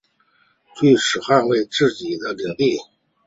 锯齿螈捍卫了自己的领地。